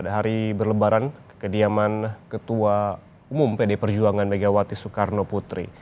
hari berlebaran kediaman ketua umum pd perjuangan megawati soekarno putri